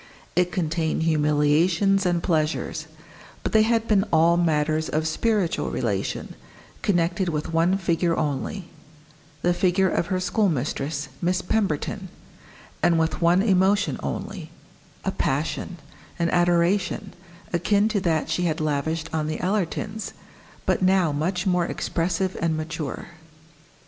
It contained humiliations and pleasures, but they had been all matters of spiritual relation, connected with one figure only the figure of her schoolmistress, Miss Pemberton; and with one emotion only a passion, an adoration, akin to that she had lavished on the Ellertons, but now much more expressive and mature.